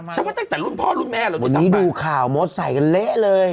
ฉันว่าตั้งแต่รุ่นพ่อรุ่นแม่เราด้วยซ้ำดูข่าวมดใส่กันเละเลย